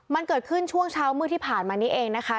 มันเกิดขึ้นช่วงเช้ามืดที่ผ่านมานี้เองนะคะ